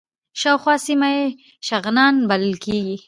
شاوخوا سیمه یې شغنان بلل کېږي.